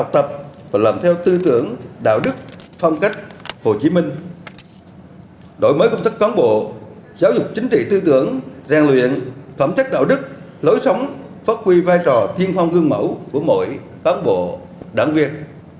các đạo đức lối sống phát huy vai trò thiên phong gương mẫu của mỗi phán bộ đảng viên